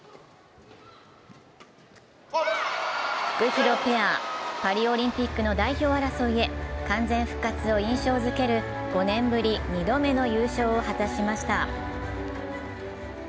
フクヒロペア、パリオリンピックの代表争いへ、完全復活を印象づける５年ぶり２度目の優勝を果たしました。